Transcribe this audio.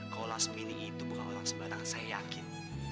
kalau pasmini itu bukan orang sebarang saya yakin